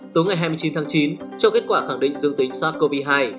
tối ngày hai mươi chín tháng chín cho kết quả khẳng định dương tính sars cov hai